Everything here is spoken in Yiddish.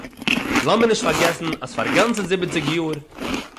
לאָמיר נישט פאַרגעסן אַז פאַר גאַנצע זיבעציג יאָר